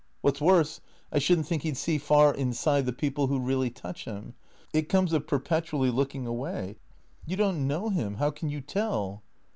What 's worse, I should n't think he 'd see far inside the people who really touch him. It comes of perpetually looking away." "You don't know him. How can you tell?"